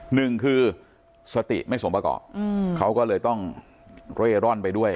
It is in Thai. หนึ่งคือสติไม่สมประกอบเขาก็เลยต้องเร่ร่อนไปด้วย